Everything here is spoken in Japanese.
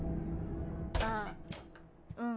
あっうん。